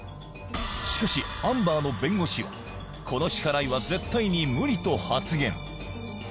しかしアンバーの弁護士はこの支払いは絶対に無理と発言